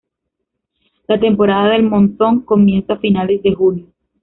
La temporada del monzón comienza a finales de junio.